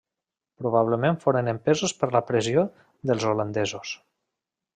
Probablement foren empesos per la pressió dels holandesos.